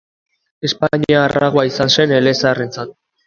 Espainia arragoa izan zen elezaharrentzat.